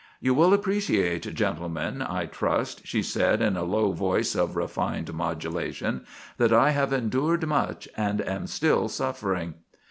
"You will appreciate, gentlemen, I trust," she said in a low voice of refined modulation, "that I have endured much and am still suffering."